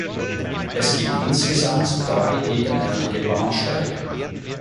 Es gibt insgesamt drei ebenerdige Bahnsteige.